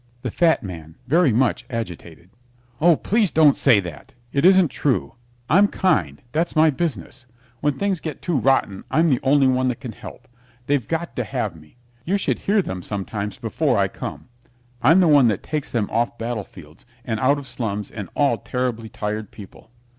THE FAT MAN (very much agitated) Oh, please don't say that! It isn't true. I'm kind; that's my business. When things get too rotten I'm the only one that can help. They've got to have me. You should hear them sometimes before I come. I'm the one that takes them off battlefields and out of slums and all terribly tired people.